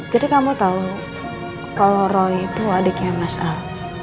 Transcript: jadi kamu tau kalau roy itu adiknya mas al